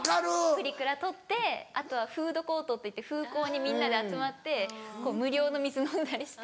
プリクラ撮ってあとはフードコートっていってフーコーにみんなで集まって無料の水飲んだりして。